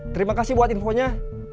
terima kasih buat infonya